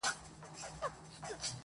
ستا پر تور تندي لیکلي کرښي وايي،